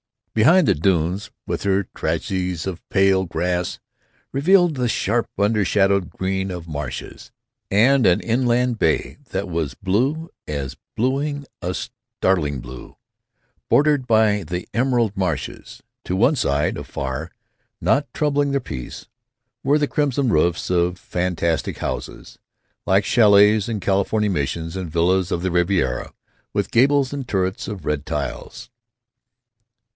Behind the dunes, with their traceries of pale grass, reveled the sharp, unshadowed green of marshes, and an inland bay that was blue as bluing, a startling blue, bordered by the emerald marshes. To one side—afar, not troubling their peace—were the crimson roofs of fantastic houses, like chalets and California missions and villas of the Riviera, with gables and turrets of red tiles.